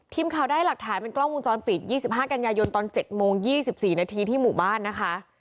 ทีมข่าวได้หลักฐานเป็นกล้องวงจรปิด๒๕กันยายนตอน๗โมง๒๔นาทีที่หมู่บ้านนะคะ